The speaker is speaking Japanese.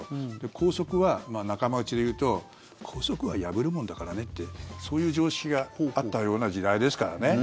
校則は仲間内で言うと校則は破るもんだからねってそういう常識があったような時代ですからね。